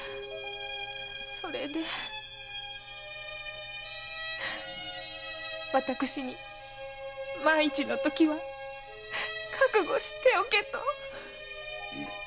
それで私に万一のときは覚悟しておけと。